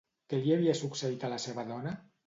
Què li havia succeït a la seva dona?